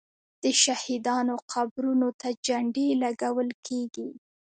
د شهیدانو قبرونو ته جنډې لګول کیږي.